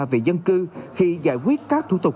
về dân cư khi giải quyết các thủ tục